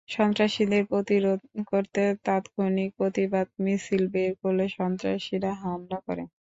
সন্ত্রাসীদের প্রতিরোধ করতে তাৎক্ষণিক প্রতিবাদ মিছিল বের করলে সন্ত্রাসীরা হামলা করে।